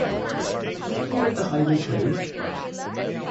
Haven't you read the Highway Code?